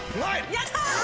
やった！